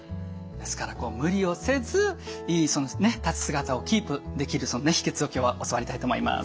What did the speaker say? ですから無理をせずいい立ち姿をキープできる秘けつを今日は教わりたいと思います。